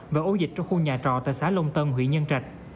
và ố dịch trong khu nhà trò tại xã lông tân hủy nhân trạch